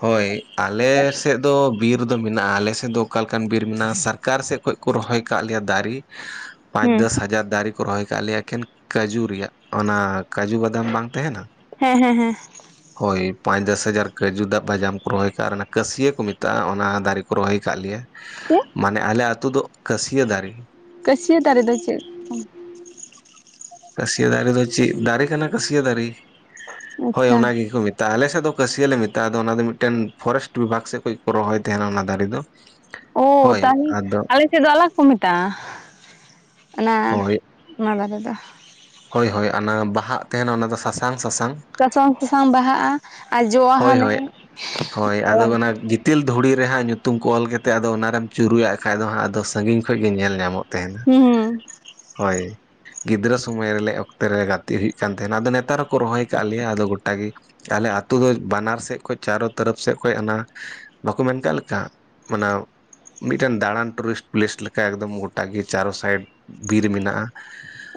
ᱦᱳᱭ ᱟᱞᱮ ᱥᱮᱫ ᱫᱚ ᱵᱤᱨ ᱫᱚ ᱢᱮᱱᱟᱜᱼᱟ, ᱟᱞᱮ ᱥᱮᱫ ᱫᱚ ᱚᱠᱟ ᱞᱮᱠᱟᱱ ᱵᱤᱨ ᱢᱮᱱᱟᱜᱼᱟ ᱥᱟᱨ ᱠᱟᱨ ᱥᱮᱫ ᱠᱷᱚᱡ ᱠᱚ ᱨᱚᱦᱚᱭ ᱟᱠᱟᱫ ᱞᱮᱭᱟ ᱫᱟᱨᱮ,
[inaudible]
ᱯᱟᱸᱪ ᱫᱚᱥ ᱦᱟᱡᱟᱨ ᱫᱟᱨᱮ ᱠᱚ ᱨᱚᱦᱚᱭ ᱟᱠᱟᱜ ᱞᱮᱭᱟ ᱮᱠᱷᱮᱱ ᱠᱟᱹᱡᱩ ᱨᱮᱭᱟᱜ ᱚᱱᱟ ᱠᱟᱹᱡᱩ ᱵᱟᱫᱟᱢ ᱵᱟᱝ ᱛᱟᱸᱦᱮᱱᱟ?
ᱦᱮᱸ ᱦᱮᱸ ᱦᱮᱸ᱾
ᱦᱳᱭ ᱯᱟᱸᱪ ᱫᱚᱥ ᱦᱟᱡᱟᱨ ᱠᱟᱡᱩ ᱫᱟ ᱵᱟᱡᱟᱢ ᱠᱚ ᱨᱚᱦᱚᱭ ᱟᱠᱟᱜᱼᱟ ᱚᱱᱟ ᱠᱟᱹᱥᱭᱟᱹ ᱠᱚ ᱢᱮᱛᱟᱜᱼᱟ, ᱚᱱᱟ ᱫᱟᱨᱮ ᱠᱚ ᱨᱚᱦᱚᱭ ᱟᱠᱟᱜ ᱞᱮᱭᱟ᱾
ᱪᱮᱫ
ᱢᱟᱱᱮ ᱟᱞᱮ ᱟᱛᱩ ᱫᱚ ᱠᱟᱹᱥᱭᱟᱹ ᱫᱟᱨᱮ
ᱠᱟᱹᱥᱭᱟᱹ ᱫᱟᱨᱮ ᱫᱚ ᱪᱮᱫ?
ᱠᱟᱹᱥᱭᱟᱹ ᱫᱟᱨᱮ ᱫᱚ ᱪᱮᱫ ᱫᱟᱨᱮ ᱠᱟᱱᱟ ᱠᱟᱹᱥᱭᱟᱹ ᱫᱟᱨᱮ? ᱦᱳᱭ
ᱟᱪᱪᱷᱟ
ᱚᱱᱟ ᱜᱮᱠᱚ ᱢᱮ ᱛᱟ ᱟᱞᱮ ᱥᱮᱫ ᱫᱚ ᱠᱟᱹᱥᱤᱭᱟᱹ ᱞᱮ ᱢᱮᱛᱟᱜᱼᱟ ᱟᱫᱚ ᱚᱱᱟ ᱫᱚ ᱢᱤᱫ ᱴᱮᱱ ᱯᱷᱚᱨᱮᱥᱴ ᱵᱤᱵᱷᱟᱜᱽ ᱥᱮᱫ ᱠᱷᱚᱱ ᱠᱚ ᱨᱚᱦᱚᱭ ᱛᱟᱸᱦᱮᱱᱟ ᱚᱱᱟ ᱫᱟᱨᱮ ᱫᱚ᱾
ᱚ
ᱦᱳᱭ
ᱛᱟᱦᱞᱮ
ᱟᱫᱚ
ᱟᱞᱮ ᱥᱮᱫ ᱫᱚ ᱟᱞᱟᱜᱽ ᱠᱚ ᱢᱮᱛᱟᱜᱼᱟ, ᱚᱱᱟ
ᱦᱳᱭ
ᱚᱱᱟ ᱫᱟᱨᱮ ᱫᱚ
ᱦᱳᱭ ᱦᱳᱭ ᱚᱱᱟ ᱵᱟᱦᱟᱜ ᱛᱟᱸᱦᱮᱜ ᱱᱟ ᱚᱱᱟ ᱫᱚ ᱥᱟᱥᱟᱝ ᱥᱟᱥᱟᱝ
ᱥᱟᱥᱟᱝ ᱥᱟᱥᱟᱝ ᱵᱟᱦᱟᱜᱼᱟ ᱟᱨ ᱡᱚᱜᱼᱟ
ᱦᱳᱭ
ᱦᱟᱱᱮ ᱟᱞᱟᱜ ᱜᱮ᱾
ᱜᱛᱤᱞ ᱫᱷᱩᱲᱤ ᱨᱮ ᱦᱟᱸᱜ ᱧᱩᱛᱩᱢ ᱠᱚ ᱚᱞ ᱠᱟᱛᱮᱫ ᱟᱫᱚ ᱚᱱᱟᱨᱮᱢ ᱪᱩᱨᱩᱡᱟᱜ ᱠᱷᱟᱡ ᱫᱚ ᱦᱟᱸᱜ ᱟᱫᱚ ᱥᱟᱺᱜᱤᱧ ᱠᱷᱚᱡ ᱜᱮ ᱧᱮᱞ ᱧᱟᱢᱚᱜᱼᱼ ᱛᱟᱸᱦᱮᱱᱟ
ᱦᱩᱸ ᱦᱩᱸ
ᱦᱳᱭ᱾ ᱜᱤᱫᱽᱨᱟᱹ ᱥᱚᱢᱚᱭ ᱨᱮᱞᱮ ᱚᱠᱛᱮ ᱨᱮ ᱜᱟᱛᱮᱜ ᱦᱩᱭᱩᱜ ᱠᱟᱱ ᱛᱟᱦᱮᱱᱟ ᱟᱫᱚ ᱱᱮᱛᱟᱨ ᱦᱚᱸᱠᱚ ᱨᱚᱦᱚᱭ ᱟᱠᱟᱫ ᱞᱮᱭᱟ᱾ ᱟᱫᱚ ᱜᱚᱴᱟ ᱜᱤ ᱟᱞᱮ ᱟ ᱛᱳ ᱫᱚ ᱵᱟᱱᱟᱨ ᱥᱮᱫ ᱠᱷᱚᱡ ᱪᱟᱨᱳ ᱛᱚᱨᱚᱯ ᱥᱮᱫ ᱠᱷᱚᱡ ᱚᱱᱟ ᱵᱟᱠᱚ ᱢᱮᱱ ᱠᱟᱜ ᱞᱮᱠᱟ ᱚᱱᱟ ᱢᱤᱫᱴᱟᱱ ᱫᱟᱬᱟᱱ ᱴᱩᱨᱤᱥᱴ ᱯᱞᱮᱥ ᱞᱮᱠᱟ ᱮᱠᱫᱚᱢ ᱜᱚᱴᱟ ᱜᱮ ᱪᱟᱨᱳ ᱥᱟᱭᱤᱰ ᱵᱤᱨ ᱢᱮᱱᱟᱜᱼᱟ,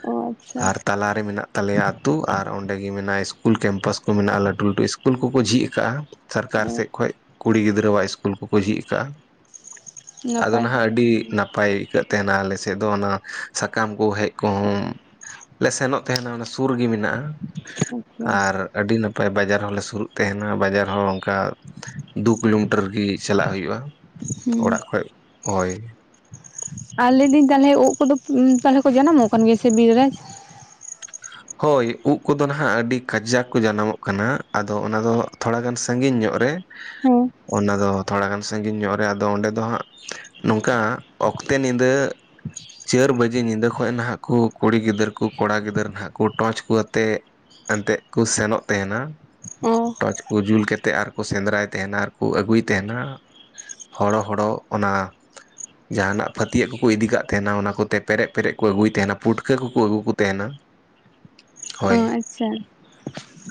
ᱚ ᱟᱪᱪᱷᱟ
ᱟᱨ ᱛᱟᱞᱟᱨᱮ ᱢᱮᱱᱟᱜ ᱛᱟᱞᱮᱭᱟ ᱟᱹᱛᱩ ᱟᱨ ᱚᱸᱰᱮ ᱜᱮ ᱢᱮᱱᱟᱜᱼᱟ ᱤᱥᱠᱩᱞ ᱠᱮᱢᱯᱟᱥ ᱠᱚ ᱢᱮᱱᱟᱜᱼᱟ ᱞᱟᱹᱴᱩ ᱞᱟᱹᱴᱩ ᱤᱥ ᱠᱩᱞ ᱠᱚᱠᱚ ᱡᱷᱤᱡ ᱠᱟᱜᱼᱟ ᱥᱟᱨᱠᱟᱨ
ᱚ
ᱥᱮᱫ ᱠᱷᱚᱡ ᱠᱩᱲᱤ ᱜᱤᱫᱽᱨᱟᱹᱜ ᱥᱠᱩᱞ ᱠᱚᱠᱚ ᱡᱷᱤᱡ ᱠᱟᱜᱼᱟ᱾ ᱟᱫᱚ
ᱱᱟᱯᱟᱭ
ᱱᱟᱸᱦᱟᱜ
ᱠᱟᱛᱷᱟ
ᱟᱹᱰᱤ
ᱠᱟᱱ ᱜᱮᱭᱟ
ᱱᱟᱯᱟᱭ ᱠᱟᱹᱜ ᱛᱟᱦᱮᱱᱟ ᱟᱞᱮ ᱥᱮᱫ ᱫᱚ ᱚᱱᱟ ᱥᱟᱠᱟᱢ ᱠᱚ ᱦᱮᱡ ᱠᱚᱦᱚᱸ ᱞᱮ ᱥᱮᱱᱚᱜ ᱛᱟᱸᱦᱮᱱᱟ ᱚᱱᱟ ᱥᱩᱨ ᱜᱤ ᱢᱮᱱᱟᱜᱼᱟ,
ᱟᱪᱪᱷᱟ
ᱟᱨ ᱟᱹᱰᱤ ᱱᱟᱯᱟᱭ ᱵᱟᱡᱟᱨ ᱦᱚᱸᱞᱮ ᱥᱩ ᱨᱩᱜ ᱛᱮᱦᱮᱱᱟ ᱵᱟᱡᱟᱨ ᱦᱚᱸ ᱚᱱᱠᱟ ᱫᱩ ᱠᱤᱞᱳᱢᱤᱴᱟᱨ ᱜᱤ ᱪᱟᱞᱟᱜ ᱦᱩᱭᱩᱜᱼᱟ᱾
ᱦᱩᱸ
ᱚᱲᱟᱜ ᱠᱷᱚᱡ ᱦᱳᱭ᱾
ᱟᱨ ᱞᱟᱹᱭ ᱫᱤᱧ ᱛᱟᱦᱞᱮ ᱩᱫ ᱠᱚᱫᱚ ᱛᱟᱞᱦᱮ ᱠᱚ ᱡᱟᱱᱟᱢᱚᱜ ᱠᱟᱱ ᱜᱮᱭᱟ? ᱥᱮ ᱵᱤᱨ ᱨᱮ
ᱦᱳᱭ ᱩᱜ ᱠᱚᱫᱚ ᱱᱟᱦᱟᱜ ᱟᱰᱤ ᱠᱟᱡᱟᱠ ᱠᱚ ᱡᱟᱱᱟᱢᱚᱜ ᱠᱟᱱᱟ, ᱟᱫᱚ ᱚᱱᱟ ᱫᱚᱼᱼ ᱛᱷᱚᱲᱟᱜᱟᱱ ᱥᱟᱹᱜᱤᱧ ᱧᱚᱜ ᱨᱮ
ᱦᱮᱸ
ᱚᱱᱟ ᱫᱚ ᱛᱷᱚᱲᱟ ᱜᱟᱱ ᱥᱟᱹᱜᱤᱧ ᱧᱚᱜ ᱨᱮ ᱟᱫᱚ ᱚᱸᱰᱮ ᱫᱚ ᱦᱟᱸᱜᱼᱼ ᱱᱚᱝᱠᱟ ᱚᱠᱛᱮ ᱱᱤᱫᱟᱹ᱾ ᱪᱟᱹᱨ ᱵᱟᱡᱮ ᱧᱤᱫᱟᱹ ᱠᱷᱚᱡ ᱱᱟᱦᱟᱜ ᱠᱩ ᱠᱩᱲᱤ ᱜᱤᱫᱟᱹᱨ ᱠᱩ ᱠᱚᱲᱟ ᱜᱤᱫᱟᱹᱨ ᱱᱟᱦᱟᱜᱼᱼ ᱠᱩ ᱴᱚᱪ ᱠᱩ ᱟᱛᱮᱜ ᱮᱱᱛᱮᱜ ᱠᱚ ᱥᱮᱱᱚᱜ ᱛᱮᱦᱮᱱᱟ᱾
ᱚ
ᱴᱚᱪ ᱠᱚ ᱡᱩᱞ ᱠᱮᱛᱮᱫ ᱟᱨ ᱠᱚ ᱥᱮᱸᱫᱽᱨᱟᱭ ᱛᱮᱦᱮᱱᱟ ᱟᱨᱠᱩ ᱟᱹᱜᱩᱭ ᱛᱮᱦᱮᱱᱟ᱾ ᱦᱚᱲᱚ ᱦᱚᱲᱚᱜ ᱚᱱᱟ ᱡᱟᱦᱟᱸᱱᱟᱜ ᱯᱷᱟᱹᱛᱤᱭᱟᱹᱜ ᱠᱩᱠᱩ ᱤᱫᱤ ᱠᱟᱜ ᱛᱮᱦᱮᱱᱟ ᱚᱱᱟ ᱠᱚᱛᱮ ᱯᱮᱨᱮᱡ ᱯᱮᱨᱮᱡ ᱠᱚ ᱟᱹᱜᱩᱭ ᱛᱮᱦᱮᱱᱟ ᱯᱩᱴᱠᱟᱹ ᱠᱩᱠᱩ ᱟᱹᱜᱩ ᱠᱚ ᱛᱮᱦᱮᱱᱟ᱾ [unintelligible]
ᱚ ᱟᱪᱪᱷᱟ᱾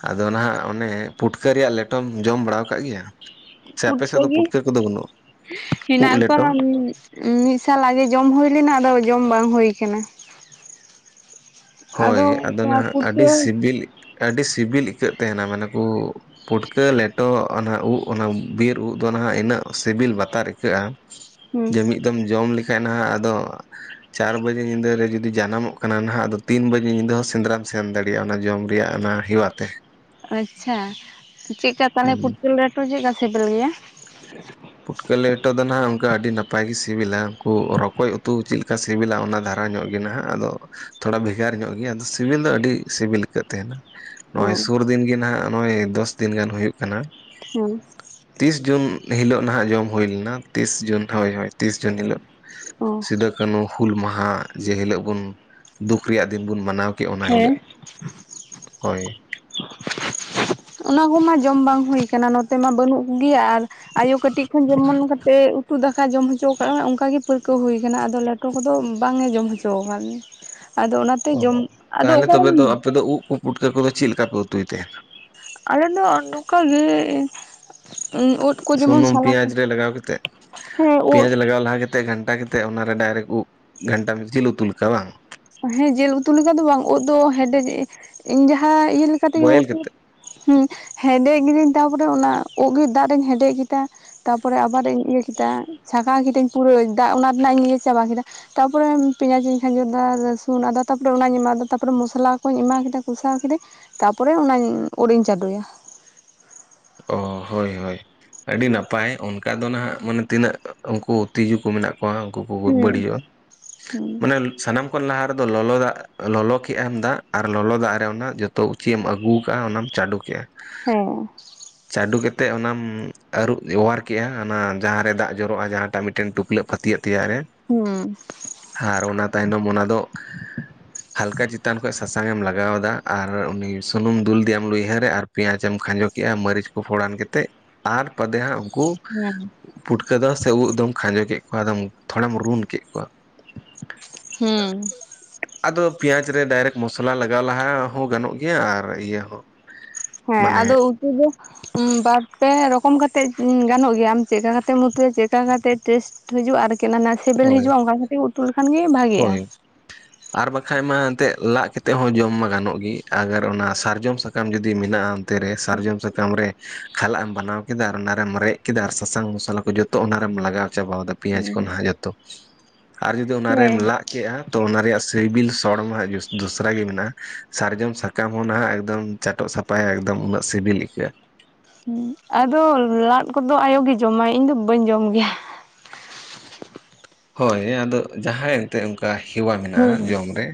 ᱟᱫᱚ ᱱᱟᱦᱟᱜ ᱚᱱᱮ ᱯᱩᱴᱠᱟᱹ ᱨᱮᱭᱟᱜ ᱞᱮᱴᱚᱢ ᱡᱚᱢ ᱵᱟᱲᱟᱣ ᱟᱠᱟᱫ ᱜᱮᱭᱟ? ᱥᱮ ᱟᱯᱮ ᱥᱮᱫ ᱫᱚ ᱯᱩᱴᱠᱟᱹ ᱠᱩᱫᱚ ᱵᱟᱹᱱᱩᱜ?
ᱦᱤᱱᱟᱜ ᱠᱚᱣᱟ ᱢᱤᱫ ᱥᱟᱞ ᱟᱜᱮ ᱡᱚᱢ ᱦᱩᱭ ᱞᱮᱱᱟ ᱟᱫᱚ ᱡᱚᱢ ᱵᱟᱝ ᱦᱳᱭ ᱠᱟᱱᱟ᱾
ᱦᱳᱭ ᱟᱫᱚ
ᱚᱱᱠᱟ
ᱱᱟᱦᱟᱜ
ᱯᱩᱴᱠᱟᱹ
ᱟᱰᱤ ᱥᱤᱵᱤᱞ ᱟᱰᱤ ᱥᱤᱵᱤᱞ ᱟᱹᱭᱠᱟᱹᱜ ᱛᱟᱦᱮᱱᱟ ᱢᱟᱱᱮ ᱠᱩᱼᱼ ᱯᱩᱴᱠᱟᱹ ᱞᱮᱴᱚ ᱚᱱᱟ ᱩᱫ ᱚᱱᱟ ᱵᱤᱨ ᱩᱫ ᱫᱚ ᱱᱟᱦᱟᱜ ᱤᱱᱟᱹᱜ ᱥᱤᱵᱤᱞ ᱵᱟᱛᱟᱨ ᱟᱹᱭᱠᱟᱹᱜᱼᱟ᱾
ᱦᱩᱸ
ᱡᱮ ᱢᱤᱫᱼᱼ ᱫᱚᱢ ᱡᱚᱢ ᱞᱮᱠᱷᱟᱡ ᱱᱟᱦᱟᱜ ᱟᱫᱚ ᱪᱟᱨ ᱵᱟᱡᱮ ᱧᱤᱫᱟᱹ ᱨᱮ ᱡᱩᱫᱤ ᱡᱟᱱᱟᱢᱚᱜ ᱠᱟᱱᱟ ᱱᱟᱦᱟᱜ ᱟᱫᱚᱼᱼ ᱛᱤᱱ ᱵᱟᱡᱮ ᱧᱤᱫᱟᱹ ᱦᱚᱸ ᱥᱮᱸᱫᱽᱨᱟᱢ ᱥᱮᱱ ᱫᱟᱲᱤᱭᱟᱜᱼᱟ ᱚᱱᱟ ᱡᱚᱢ ᱨᱮᱭᱟᱜ ᱚᱱᱟ ᱦᱮᱣᱟ ᱛᱮ᱾
ᱟᱪᱪᱷᱟ, ᱪᱮᱠᱠᱟ ᱛᱟᱦᱚᱞᱮ
ᱦᱩᱸ
ᱯᱩᱴᱞᱟᱹ ᱞᱮᱴᱚ ᱪᱮᱠᱠᱟ ᱥᱮᱵᱮᱞ ᱜᱮᱭᱟ?
ᱯᱩᱴᱠᱟᱹ ᱞᱮᱴᱚ ᱫᱚ ᱱᱟᱦᱟᱜ ᱚᱱᱠᱟ ᱟᱹᱰᱤ ᱱᱟᱯᱟᱭ ᱜᱮ ᱥᱤᱵᱤᱞᱟ ᱩᱱᱠᱩ ᱨᱚᱠᱚᱡ ᱩᱛᱩ ᱪᱤᱱ ᱞᱮᱠᱟ ᱥᱤᱵᱤᱞ᱾ ᱥᱤᱵᱤᱞᱟ ᱚᱱᱟ ᱫᱷᱟᱨᱟ ᱧᱚᱜ ᱜᱮ ᱱᱟᱦᱟᱜ, ᱟᱫᱚᱼᱼ ᱛᱷᱚᱲᱟ ᱵᱷᱮᱜᱟᱨ ᱧᱚᱜ ᱜᱮᱭᱟ ᱟᱫᱚ ᱥᱤᱵᱤᱞ ᱫᱚ ᱟᱹᱰᱤ ᱥᱤᱵᱤᱞ ᱟᱹᱭᱠᱟᱹᱜ ᱛᱟᱦᱮᱱᱟ᱾ ᱱᱚᱜᱼᱚᱭ
ᱚ
ᱥᱩᱨ ᱫᱤᱱ ᱜᱮ ᱱᱟᱦᱟᱸᱜ ᱱᱚᱜᱼᱚᱭ ᱫᱚᱥ ᱫᱤᱱ ᱜᱟᱱ ᱦᱩᱭᱩᱜ ᱠᱟᱱᱟ᱾
ᱦᱮᱸ
ᱛᱤᱥ ᱡᱩᱱ ᱦᱤᱞᱳᱜ ᱱᱟᱦᱟᱸᱜ ᱡᱚᱢ ᱦᱩᱭ ᱞᱮᱱᱟ ᱛᱤᱥ ᱡᱩᱱ ᱦᱳᱭ ᱦᱳᱭ ᱛᱤᱥ ᱡᱩᱱ ᱦᱤᱞᱳᱜ᱾
ᱚ
ᱥᱤᱫᱟᱹ ᱠᱟᱹᱱᱩ ᱦᱩᱞ ᱢᱟᱦᱟ ᱡᱮ ᱦᱤᱞᱳᱜ ᱵᱚᱱ ᱫᱩᱠ ᱨᱮᱭᱟᱜ ᱫᱤᱱ ᱵᱚᱱ ᱢᱟᱱᱟᱣᱼᱼ ᱠᱮᱜ ᱚᱱᱟ ᱦᱤᱞᱟᱹᱜ,
ᱦᱮᱸ
ᱦᱳᱭ᱾
[unintelligible] ᱡᱚᱢ ᱵᱟᱝ ᱦᱩᱭ ᱠᱟᱱᱟ ᱱᱚᱛᱮ ᱢᱟ ᱵᱟᱹᱱᱩᱜ ᱠᱩ ᱜᱤᱭᱟ ᱟᱨᱼᱼ ᱟᱭᱳ ᱠᱟᱹᱴᱤᱡ ᱠᱷᱚᱱ ᱡᱮᱢᱚᱱ ᱠᱟᱛᱮᱫ ᱩᱛᱩ ᱫᱟᱠᱟ ᱡᱚᱢ ᱦᱚᱪᱚ ᱟᱠᱟᱜ ᱚᱱᱠᱟ ᱜᱮ ᱯᱟᱹᱨᱠᱟᱹᱣ ᱦᱩᱭ ᱠᱟᱱᱟ ᱟᱫᱚ ᱞᱮ ᱴᱚ ᱠᱚᱫᱚ ᱵᱟᱝᱮ ᱡᱚᱢ ᱦᱚᱪᱚ ᱠᱟᱫᱤᱧ, ᱟᱫᱚ ᱚᱱᱟᱼᱼ
ᱚ ᱛᱟᱦᱚᱞᱮ ᱛᱚᱵᱮ ᱫᱚ ᱟᱯᱮ ᱫᱚ ᱩᱫ ᱠᱚ ᱯᱩᱴᱠᱟᱹ ᱠᱚᱫᱚ ᱪᱮᱫ ᱞᱮᱠᱟ ᱯᱮ ᱩᱛᱩᱭ ᱛᱟᱦᱮᱱᱟ?
ᱟᱞᱮ ᱫᱚ ᱱᱩᱝᱠᱟ ᱜᱮ ᱩᱱᱼᱼ
ᱥᱩᱱᱩᱢ ᱯᱮᱭᱟᱡ ᱨᱮ ᱞᱟᱜᱟᱣ ᱠᱟᱛᱮᱫ
ᱦᱮᱸ ᱩᱫ
ᱯᱮᱭᱟᱡ ᱞᱟᱜᱟᱣ ᱞᱟᱦᱟ ᱼᱼ ᱠᱟᱛᱮ ᱜᱷᱟᱱᱴᱟ ᱠᱟᱛᱮᱫ ᱚᱱᱟᱨᱮ ᱰᱟᱭᱨᱮᱠᱴ ᱩᱫ ᱜᱷᱟᱱᱴᱟ ᱡᱤᱞ ᱩᱛᱩ ᱞᱮᱠᱟ ᱵᱟᱝ?
ᱦᱮᱸ ᱡᱤᱞ ᱩᱛᱩ ᱞᱮᱠᱟ ᱫᱚ ᱵᱟᱝ ᱳᱫ ᱫᱚ ᱦᱮᱰᱮᱡ ᱤᱧ ᱡᱟᱦᱟᱸ ᱤᱭᱟᱹ ᱞᱮᱠᱟ ᱛᱮᱧ
ᱵᱚᱭᱮᱞ
ᱩᱛᱩᱼᱼ
ᱠᱟᱛᱮᱫ
ᱦᱩᱸ ᱦᱮᱰᱮᱡ ᱠᱤᱫᱤᱧ ᱛᱟᱯᱚᱨᱮ ᱚᱱᱟ ᱳᱜ ᱜᱮ ᱫᱟᱜ ᱨᱤᱧ ᱦᱮᱰᱮᱡ ᱠᱮᱫᱟ ᱛᱟᱨᱯᱚᱨᱮ ᱟᱵᱟᱨ ᱤᱧᱼᱼ ᱤᱭᱟᱹ ᱠᱮᱫᱟ ᱪᱷᱟᱠᱟᱣ ᱠᱤᱫᱟᱹᱧ ᱯᱩᱨᱟᱹ ᱫᱟᱜ ᱚᱱᱟ ᱨᱮᱱᱟᱜ ᱤᱧ ᱤᱭᱟᱹ ᱪᱟᱵᱟ ᱠᱮᱫᱟ ᱛᱟᱯᱚᱨᱮ ᱯᱮᱸᱭᱟᱡᱤᱧ ᱠᱷᱟᱡᱚᱼᱼ ᱟᱫᱟ ᱨᱟᱹᱥᱩᱱ ᱟᱫᱟ ᱛᱟᱯᱚᱨᱮ ᱚᱱᱟᱧ ᱮᱢᱟᱫᱟ ᱛᱟᱯᱚᱨᱮ ᱢᱚᱥᱞᱟ ᱠᱩᱧ ᱮᱢᱟ ᱠᱮᱫᱟ ᱠᱚᱥᱟᱣ ᱠᱤᱫᱟᱹᱧ᱾ ᱛᱟᱯᱚᱨᱮ ᱚᱱᱟᱧ ᱳᱱ ᱤᱧ ᱪᱟᱰᱳᱭᱟ᱾
ᱚ ᱦᱳᱭ ᱦᱳᱭ᱾ ᱟᱹᱰᱤ ᱱᱟᱯᱟᱭ ᱚᱱᱠᱟ ᱫᱚ ᱱᱟᱦᱟᱜ ᱢᱟᱱᱮ ᱛᱤᱱᱟᱹᱜ ᱩᱱᱠᱩ ᱛᱤᱡᱩ ᱠᱚ ᱢᱮᱱᱟᱜᱼᱼ ᱩᱱᱠᱩ ᱠᱚ ᱜᱚᱡ
ᱦᱩᱸ
ᱵᱟᱹᱲᱤᱡᱚᱜᱼᱟ
ᱦᱩᱸ
ᱢᱟᱱᱮ ᱥᱟᱱᱟᱢ ᱠᱷᱚᱱ ᱞᱟᱦᱟ ᱨᱮᱫᱚ ᱞᱚᱞᱚ ᱫᱟᱜᱼᱼ ᱞᱚᱞᱚ ᱠᱮᱜ ᱟᱢ ᱫᱟᱜ ᱟᱨ ᱞᱚᱞᱚ ᱫᱟᱜ ᱨᱮ ᱚᱱᱟ ᱡᱚᱛᱚ ᱪᱮᱜ ᱮᱢ ᱟᱹᱜᱩ ᱠᱟᱜᱼᱟ ᱚᱱᱟᱢ ᱪᱟᱰᱳ ᱠᱮᱜᱼᱟ᱾
ᱦᱮᱸ᱾
ᱪᱟᱰᱳ ᱠᱟᱛᱮᱫ ᱚᱱᱟᱢ ᱟᱹᱨᱩᱵ ᱚᱣᱟᱨ ᱠᱮᱜᱼᱟ ᱚᱱᱟ ᱡᱟᱦᱟᱸᱨᱮ ᱫᱟᱜ ᱡᱚᱨᱚᱜᱼᱟ ᱡᱟᱦᱟᱸᱴᱟᱜ ᱢᱤᱫᱴᱮᱱ ᱴᱩᱯᱞᱟᱹᱜᱼᱼ ᱯᱷᱟᱹᱛᱭᱟᱹᱜ ᱛᱮᱭᱟᱜ ᱨᱮ᱾
ᱦᱩᱸ
ᱟᱨ ᱚᱱᱟ ᱛᱟᱭᱱᱚᱢ ᱚᱱᱟ ᱫᱚ,
[inaudible]
ᱦᱟᱞᱠᱟ ᱪᱮᱛᱟᱱ ᱠᱷᱚᱡ ᱥᱟᱥᱟᱝ ᱮᱢ ᱞᱟᱜᱟᱣ ᱟᱫᱟ ᱟᱨ ᱩᱱᱤ ᱥᱩᱱᱩᱢ ᱫᱩᱞ ᱤᱫᱤᱭᱮᱢ ᱞᱩᱭᱦᱟᱹᱨ ᱨᱮ ᱟᱨ ᱯᱮᱸᱭᱟᱡ ᱮᱢ ᱠᱷᱟᱸᱡᱚ ᱠᱮᱫᱮᱜᱼᱟ ᱢᱟᱹᱨᱤᱪ ᱠᱚ ᱯᱷᱳᱲᱟᱱ ᱠᱟᱛᱮᱫ ᱟᱨ ᱵᱟᱫᱮ ᱦᱟᱸᱜ ᱩᱱᱠᱩ,
ᱦᱩᱸ
ᱯᱩᱴᱠᱟᱹ ᱫᱚ ᱥᱮ ᱩᱫ ᱫᱚᱢ ᱠᱷᱟᱸᱡᱚ ᱠᱮᱫ ᱠᱚᱣᱟ ᱟᱫᱚᱢ ᱛᱷᱚᱲᱟᱢ ᱨᱩᱱ ᱠᱮᱫ ᱠᱚᱣᱟ,
ᱦᱩᱸ
ᱟᱫᱚ ᱯᱮᱸᱭᱟᱡ ᱨᱮ ᱰᱟᱭᱨᱮᱠᱴ ᱢᱚᱥᱞᱟ ᱞᱟᱜᱟᱣ ᱞᱟᱦᱟ ᱦᱚᱸ ᱜᱟᱱᱚᱜ ᱜᱮᱭᱟ ᱟᱨ ᱤᱭᱟᱹ ᱦᱚᱸ
ᱦᱮᱸ
ᱢᱟᱱᱮ
ᱟᱫᱚ ᱩᱛᱩ ᱫᱚ, ᱵᱟᱨ ᱯᱮ ᱨᱚᱠᱚᱢ ᱠᱟᱛᱮᱜ ᱜᱟᱱᱚᱜ ᱜᱮᱭᱟᱢ ᱪᱮᱫᱠᱟ ᱠᱟᱛᱮᱜᱢ ᱩᱛᱩᱟᱹᱭᱟ ᱪᱮᱫᱠᱟ ᱠᱟᱛᱮᱜ ᱴᱮᱥᱴ, ᱦᱤᱡᱩᱜᱼᱟ ᱟᱨᱠᱤ ᱚᱱᱟ ᱥᱤᱵᱤᱞ
ᱦᱳᱭ
ᱦᱤᱡᱩᱜᱼᱟ ᱚᱱᱟ ᱠᱷᱟᱹᱛᱤᱨ ᱩᱛᱩ ᱞᱮᱠᱷᱟᱱ ᱜᱮ ᱵᱷᱟᱜᱤᱜ-ᱟ᱾
ᱦᱳᱭ ᱟᱨ ᱵᱟᱠᱷᱟᱱᱡ ᱢᱟ ᱮᱱᱛᱮᱫ ᱞᱟᱟᱜ ᱠᱟᱛᱮᱜ ᱦᱚᱸ ᱡᱚᱢ ᱢᱟ ᱜᱟᱱᱚᱜ ᱜᱮ ᱟᱜᱟᱨ ᱚᱱᱟ ᱥᱟᱨᱡᱚᱢ ᱥᱟᱠᱟᱢ ᱡᱩᱫᱤ ᱢᱮᱱᱟᱜᱼᱟ, ᱛᱮᱨᱮ ᱥᱟᱨᱡᱚᱢ ᱥᱟᱠᱟᱢ ᱨᱮ, ᱠᱷᱟᱞᱟᱜ ᱮᱢ ᱵᱮᱱᱟᱣ ᱠᱮᱫᱟ ᱟᱨ ᱚᱱᱟ ᱨᱮᱢ ᱨᱮᱡ ᱠᱮᱫᱟ ᱟᱨ ᱥᱟᱥᱟᱝ ᱢᱚᱥᱞᱟ ᱠᱚ ᱡᱚᱛᱚ ᱚᱱᱟᱨᱮᱢ ᱞᱟᱜᱟᱣ ᱪᱟᱵᱟ ᱟᱫᱟ, ᱯᱮᱸᱭᱟᱡ ᱠᱚ
ᱦᱮᱸ
ᱱᱷᱟᱜ ᱡᱚᱛᱚ ᱟᱨ ᱡᱩᱫᱤ ᱚᱱᱟ, ᱠᱮᱫᱼᱟ ᱛᱚ ᱚᱱᱟ ᱨᱮᱭᱟᱜ ᱥᱤᱵᱤᱞ ᱥᱚᱲ ᱢᱟ ᱫᱚᱥᱨᱟ ᱜᱮ ᱢᱮᱱᱟᱜᱼᱟ ᱥᱟᱨᱡᱚᱢ ᱥᱟ ᱥᱟᱠᱟᱢ ᱦᱚᱸ ᱱᱟᱦᱟᱜ ᱮᱠᱫᱚᱢ ᱪᱟᱴᱚᱜ ᱥᱟᱯᱷᱟᱭᱟ ᱮᱠᱫᱚᱢ ᱩᱱᱟᱹᱜ ᱥᱤᱵᱤᱞ ᱟᱹᱭᱠᱟᱹᱜᱼᱟ,
ᱦᱩᱸ ᱟᱫᱚ ᱞᱟᱫ ᱠᱚᱫᱚ ᱟᱭᱳ ᱜᱮ ᱡᱚᱢᱟᱭ ᱤᱧ ᱫᱚ ᱵᱟᱹᱧ ᱡᱚᱢ ᱜᱮᱭᱟ,
ᱦᱳᱭ ᱟᱫᱚ ᱡᱟᱦᱟᱸᱭ ᱮᱱᱛᱜ ᱚᱱᱠᱟ ᱦᱮᱣᱟ ᱢᱮᱱᱟᱜᱼᱟ
ᱦᱩᱸ
ᱡᱚᱢ ᱨᱮ,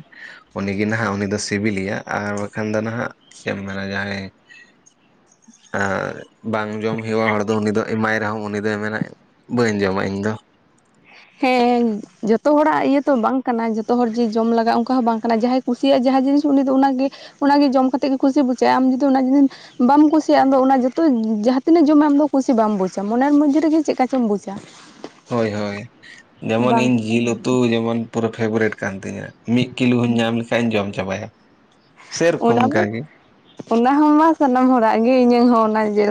ᱩᱱᱤᱜᱮ ᱱᱟᱦᱟᱜ ᱩᱱᱤ ᱫᱚ ᱥᱤᱵᱤᱞᱮᱭᱟ ᱟᱨ ᱵᱟᱠᱷᱟᱱ ᱫᱚ ᱱᱟᱦᱟᱜ ᱪᱮᱫ ᱮᱢ ᱢᱮᱱᱟ ᱡᱟᱦᱟᱸᱭ, ᱟᱨ ᱵᱟᱝ ᱡᱚᱢ ᱦᱩᱭᱩᱜᱼᱟ ᱦᱚᱲ ᱫᱚ ᱩᱱᱤ ᱫᱚ ᱮᱢᱟᱭ ᱨᱮᱦᱚᱸ ᱩᱱᱤ ᱫᱚᱭ ᱢᱮᱱᱟᱭ, ᱵᱟᱹᱧ ᱡᱚᱢᱟ ᱤᱧ ᱫᱚ,
ᱦᱮᱸ ᱡᱚᱛᱚ ᱦᱚᱲᱟᱜ ᱤᱭᱟᱹ ᱛᱚ ᱵᱟᱝ ᱠᱟᱱᱟ ᱡᱚᱛᱚ ᱦᱚᱲ ᱡᱮ ᱡᱚᱢ ᱞᱟᱜᱟᱜᱼᱟ ᱚᱱᱠᱟ ᱦᱚᱸ ᱵᱟᱝ ᱠᱟᱱᱟ ᱡᱟᱦᱟᱸᱟᱭ ᱠᱩᱥᱤᱭᱟᱜᱼᱟ ᱡᱟᱦᱟᱸ ᱡᱤᱱᱤᱥ ᱩᱱᱤ ᱫᱚ ᱚᱱᱟ ᱜᱮ ᱚᱱᱟᱜᱮ ᱡᱚᱢ ᱠᱟᱛᱮᱫ ᱜᱮ ᱠᱩᱥᱤ ᱵᱩᱡᱷᱟᱹᱜᱼᱟ ᱟᱢ ᱡᱩᱫᱤ ᱚᱱᱟ ᱡᱤᱱᱤᱥ ᱵᱟᱢ ᱠᱩᱥᱤᱭᱟᱜᱼᱟ ᱟᱢᱫᱚ ᱚᱱᱟ ᱡᱚᱛᱚ ᱡᱟᱦᱟᱸ ᱛᱤᱱᱟᱹᱜ ᱡᱚᱢᱟ ᱟᱢ ᱠᱩᱥᱤ ᱵᱟᱢ ᱵᱩᱡᱟ ᱢᱚᱱᱮᱨ ᱢᱚᱫᱽᱫᱷᱮ ᱨᱮᱜᱮ ᱪᱮᱫᱠᱟ ᱪᱚᱢ ᱵᱩᱡᱟ,
ᱦᱳᱭ ᱦᱳᱭ ᱡᱮᱢᱚᱱ
ᱵᱟᱝ
ᱤᱧ
ᱠᱩᱥᱤ
ᱡᱤᱞ ᱩᱛᱩ ᱡᱮᱢᱚᱱ, ᱯᱩᱨᱟᱹ ᱯᱷᱮᱵᱟᱨᱤᱴ ᱠᱟᱱ ᱛᱤᱧᱟᱹ ᱢᱤᱫ ᱠᱤᱞᱳ ᱦᱚᱧ ᱧᱟᱢ ᱞᱮᱠᱷᱷᱟᱡ ᱤᱧ ᱡᱚᱢ ᱪᱟᱵᱟᱭᱟ, ᱥᱮᱨᱚᱠᱚᱢ
ᱚᱱᱟ
ᱚᱱᱠᱟᱜᱮ
ᱚᱱᱟ ᱦᱚᱸᱢᱟ ᱥᱟᱱᱟᱢ ᱦᱚᱲᱟᱜ ᱜᱮ ᱤᱧᱟᱹᱝ ᱦᱚᱸ ᱚᱱᱟ ᱡᱮᱞ